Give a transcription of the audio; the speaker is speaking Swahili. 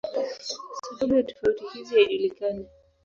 Sababu ya tofauti hizi haijulikani.